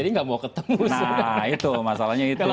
nah itu masalahnya itu